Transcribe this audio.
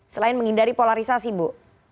selain menghindari polarisasi bu